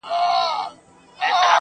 • په سپينه زنه كي خال ووهي ويده سمه زه.